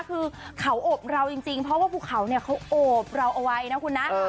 คือเขาโอบเราจริงเพราะว่าภูเขาเนี่ยเขาโอบเราเอาไว้นะคุณนะ